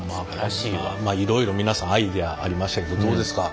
いろいろ皆さんアイデアありましたけどどうですか？